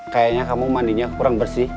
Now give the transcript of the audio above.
kayaknya kamu mandinya kurang bersih